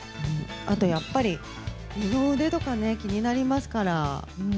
あとやっぱり、二の腕とかね、気になりますから。